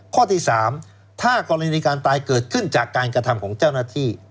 ข้อที่๓ถ้ากรณีการตายเกิดขึ้นจากการกระทำของเจ้าหน้าที่